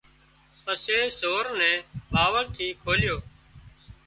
پسي سور نين ٻاوۯ ٿي کوليو